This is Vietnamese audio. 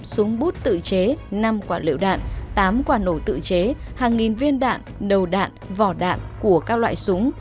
một súng bút tự chế năm quả liệu đạn tám quả nổ tự chế hàng nghìn viên đạn đầu đạn vỏ đạn của các loại súng